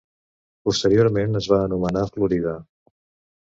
Posteriorment es va anomenar Florida.